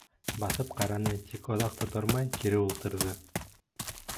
Баҫып ҡараны, тик оҙаҡ та тормай, кире ултырҙы.